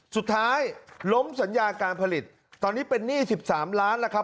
สุดท้ายล้มสัญญาการผลิตตอนนี้เป็นหนี้๑๓ล้านแล้วครับ